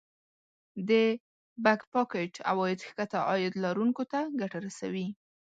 د Back pocket عواید ښکته عاید لرونکو ته ګټه رسوي